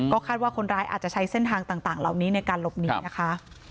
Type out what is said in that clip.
คาดว่าคนร้ายอาจจะใช้เส้นทางต่างเหล่านี้ในการหลบหนีนะคะ